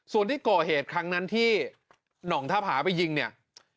ส่วนที่ก่อเหตุครั้งนั้นที่หน่องท่าผาไปยิงเนี่ย